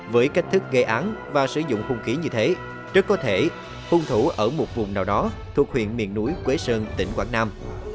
với cách thức gây án và sử dụng hung khí như thế rất có thể hung thủ ở một vùng nào đó thuộc huyện miền núi quế sơn tỉnh quảng nam